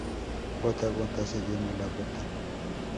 Gota a gota, se llena la bota